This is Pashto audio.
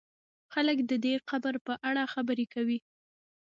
خلک د دې قبر په اړه خبرې کوي.